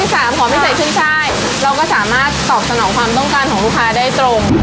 เราก็สามารถตอบสนองความต้องการของลูกค้าได้ตรง